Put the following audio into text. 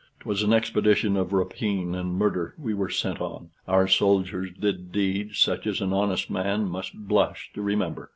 'Twas an expedition of rapine and murder we were sent on: our soldiers did deeds such as an honest man must blush to remember.